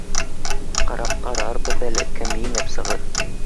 Ҡарап ҡарарбыҙ әле, кем еңеп сығыр